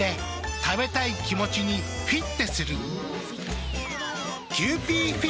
食べたい気持ちにフィッテする。